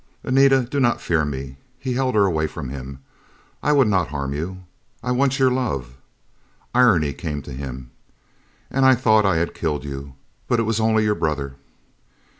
"Anita, do not fear me." He held her away from him. "I would not harm you. I want your love." Irony came to him. "And I thought I had killed you. But it was only your brother."